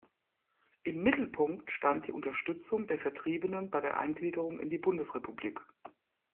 Im Mittelpunkt stand die Unterstützung der Vertriebenen bei der Eingliederung in die Bundesrepublik.